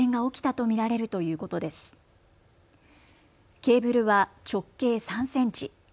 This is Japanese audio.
ケーブルは直径３センチ。